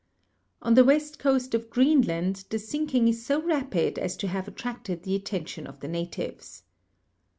On the DIASTROPHISM 101 west coast of Greenland the sinking is so rapid as to have attracted the attention of the natives.